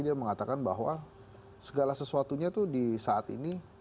dia mengatakan bahwa segala sesuatunya tuh di saat ini